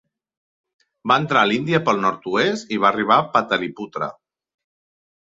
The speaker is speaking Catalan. Va entrar a l'Índia pel nord-oest i va arribar a Pataliputra.